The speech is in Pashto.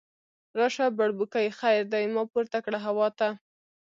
راشه بړبوکۍ خیر دی، ما پورته کړه هوا ته